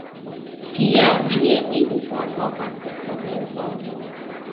Tiel ĝi eniris la Novan Testamenton.